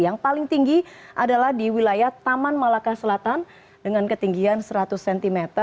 yang paling tinggi adalah di wilayah taman malaka selatan dengan ketinggian seratus cm